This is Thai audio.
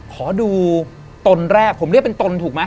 ขอดูตนแรกผมเรียกเป็นตนถูกไหม